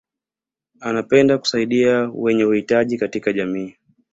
anapenda kusaidia wenye uhitaji katika jamii